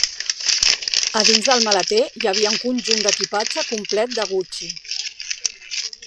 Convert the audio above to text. A dins del maleter hi havia un conjunt d'equipatge complet de Gucci.